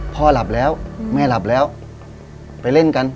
พ่อหลับแล้วแม่หลับแล้วไปเล่นกัน